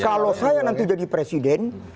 kalau saya nanti jadi presiden